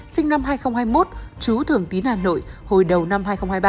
sinh năm hai nghìn hai mươi một chú thường tín hà nội hồi đầu năm hai nghìn hai mươi ba